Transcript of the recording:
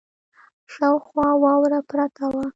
شاوخوا واوره پرته وه.